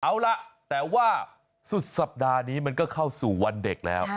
เอาล่ะแต่ว่าสุดสัปดาห์นี้มันก็เข้าสู่วันเด็กแล้ว